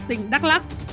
tỉnh đắk lắk